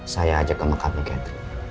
saya ajak ke makamiket